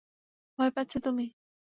ভয় পাচ্ছো তুমি।